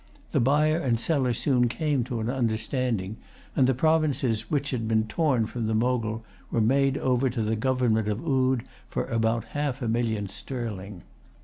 The buyer and seller soon came to an understanding; and the provinces which had been torn from the Mogul were made over to the government of Oude for about half a million sterling.